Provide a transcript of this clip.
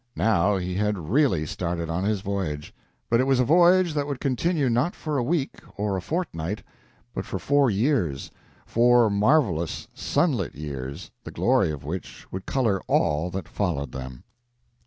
Now he had really started on his voyage. But it was a voyage that would continue not for a week or a fortnight, but for four years four marvelous, sunlit years, the glory of which would color all that followed them.